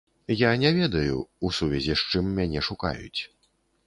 Я не ведаю, у сувязі з чым мяне шукаюць.